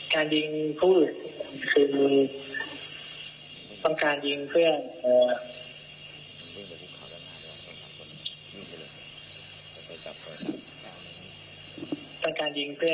การยิงพูดคือต้องการยิงเพื่อน